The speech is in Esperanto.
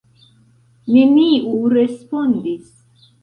Neniu respondis.